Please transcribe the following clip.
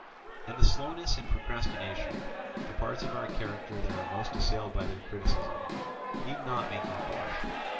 "And the slowness and procrastination, the parts of our character that are most assailed by their criticism, need not make you blush.